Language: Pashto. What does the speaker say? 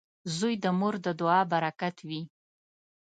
• زوی د مور د دعا برکت وي.